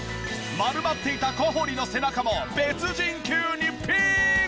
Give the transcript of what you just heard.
丸まっていた小堀の背中も別人級にピーン！